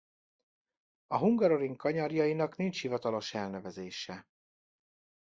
A Hungaroring kanyarjainak nincs hivatalos elnevezése.